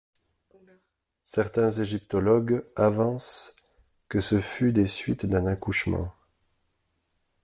Certains égyptologues avancent que ce fut des suites d'un accouchement.